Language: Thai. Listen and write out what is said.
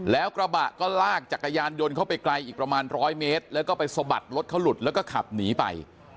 แล้วกระบะก็ลากจักรยานยนต์เข้าไปไกลอีกประมาณร้อยเมตรแล้วก็ไปสะบัดรถเขาหลุดแล้วก็ขับหนีไป